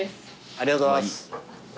ありがとうございます。